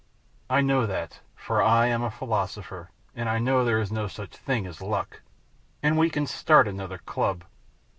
I know that, for I am a philosopher, and I know there is no such thing as luck. And we can start another club."